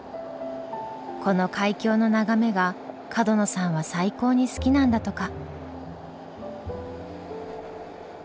この海峡の眺めが角野さんは最高に好きなんだとか。